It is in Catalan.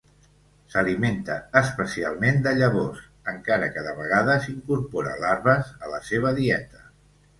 S'alimenta especialment de llavors encara que de vegades incorpora larves a la seva dieta.